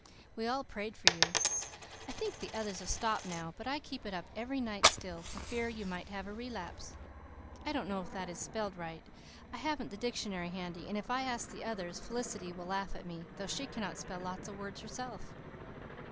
We all prayed for you. I think the others have stopped now, but I keep it up every night still, for fear you might have a relaps. (I don't know if that is spelled right. I haven't the dixonary handy, and if I ask the others Felicity will laugh at me, though she cannot spell lots of words herself.)